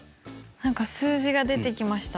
何か数字が出てきました。